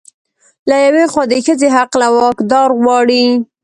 له يوې خوا د ښځې حق له واکدار غواړي